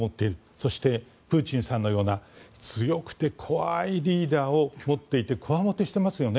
そして、プーチンさんのような強くて怖いリーダーを持っていてこわもてしてますよね。